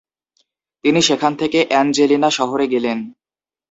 তিনি সেখান থেকে অ্যাঞ্জেলিনা শহরে গেলেন।